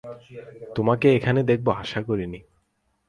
তোমাকে এখানে দেখবো আশা করিনি।